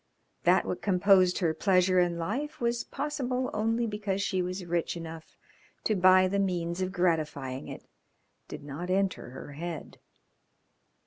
That what composed her pleasure in life was possible only because she was rich enough to buy the means of gratifying it did not enter her head.